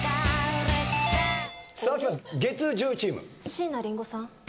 椎名林檎さん？